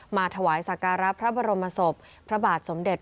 มาถวายสาการรับพระบรมศพพระบาทสมเด็จ